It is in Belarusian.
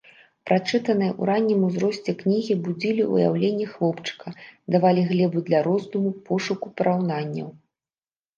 Прачытаныя ў раннім узросце кнігі будзілі ўяўленне хлопчыка, давалі глебу для роздуму, пошуку параўнанняў.